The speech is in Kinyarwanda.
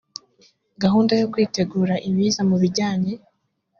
gahunda yo kwitegura ibiza mu bijyanye